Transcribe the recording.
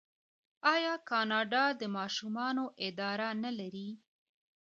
آیا کاناډا د ماشومانو اداره نلري؟